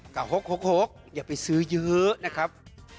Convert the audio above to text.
กล่าวหกหกหกอย่าไปซื้อเยอะนะครับ